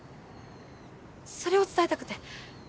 それを伝えたくて。